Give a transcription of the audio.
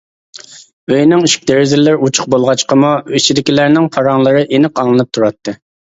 ئۆينىڭ ئىشىك-دېرىزىلىرى ئوچۇق بولغاچقىمۇ ئىچىدىكىلەرنىڭ پاراڭلىرى ئېنىق ئاڭلىنىپ تۇراتتى.